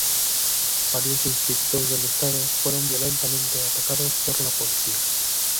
Varios institutos del Estado fueron violentamente atacados por la policía.